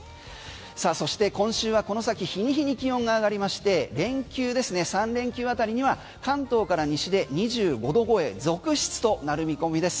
さあ、そして今週はこの先日に日に気温が上がりまして３連休あたりには関東から西で２５度超え続出となる見込みです。